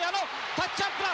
タッチアップだ。